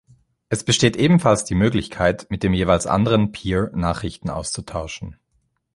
Es besteht ebenfalls die Möglichkeit, mit dem jeweils anderen Peer Nachrichten auszutauschen.